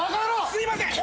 すいません！